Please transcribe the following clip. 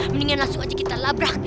mendingan langsung aja kita labrak